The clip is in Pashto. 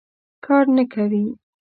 کار نه کوي.